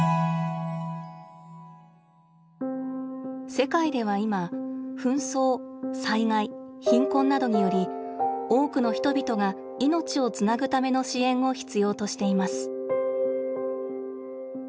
世界ではいま紛争災害貧困などにより多くの人々が命をつなぐための支援を必要としています。